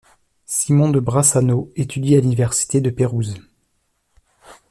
Simon de Brassano étudie à l'université de Pérouse.